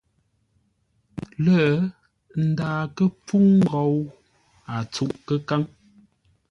Lə̂, m ndaa kə́ pfúŋ ghou a tsûʼ kə́káŋ.